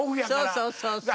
そうそうそうそう。